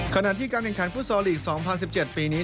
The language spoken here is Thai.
ขณะที่การแข่งขันฟุตซอลลีก๒๐๑๗ปีนี้